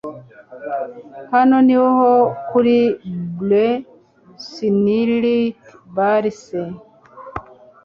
hano niho kuri blue sunlight bar se!